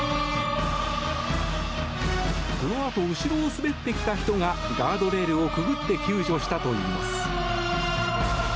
このあと後ろを滑ってきた人がガードレールをくぐって救助したといいます。